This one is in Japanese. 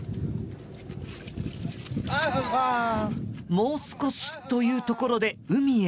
もう少しというところで海へ。